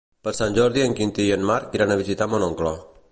Per Sant Jordi en Quintí i en Marc iran a visitar mon oncle.